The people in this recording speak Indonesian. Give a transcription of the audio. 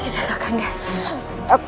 tidak kak kandai